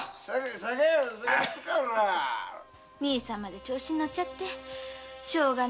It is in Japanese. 兄さんまで調子に乗って。